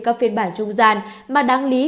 các phiên bản trung gian mà đáng lý